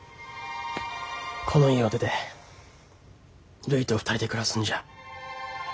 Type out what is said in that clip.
この家を出てるいと２人で暮らすんじゃ。